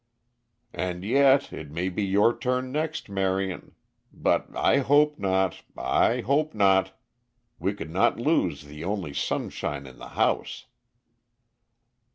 "And yet it may be your turn next, Marion. But I hope not I hope not. We could not lose the only sunshine in the house!"